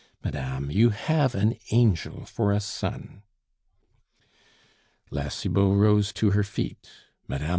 Madame, you have an angel for a son." La Cibot rose to her feet, Mme.